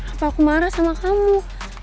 apa aku marah sama kamu